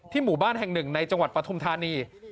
หมู่บ้านแห่งหนึ่งในจังหวัดปฐุมธานี